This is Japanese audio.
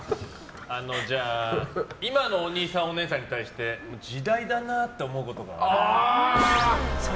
じゃあ、今のおにいさん、おねえさんに対して時代だなあと思うことがあるっぽい。